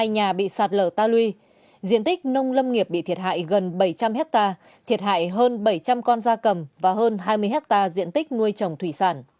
hai mươi nhà bị sạt lở ta lui diện tích nông lâm nghiệp bị thiệt hại gần bảy trăm linh hectare thiệt hại hơn bảy trăm linh con da cầm và hơn hai mươi hectare diện tích nuôi trồng thủy sản